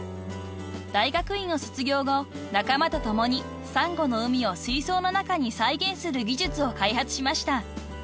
［大学院を卒業後仲間と共にサンゴの海を水槽の中に再現する技術を開発しました］